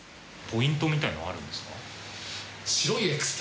ポイントみたいなのあるんですか？